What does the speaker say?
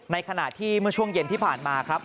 ในขณะที่เมื่อช่วงเย็นที่ผ่านมาครับ